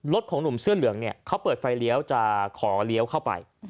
ของหนุ่มเสื้อเหลืองเนี่ยเขาเปิดไฟเลี้ยวจะขอเลี้ยวเข้าไป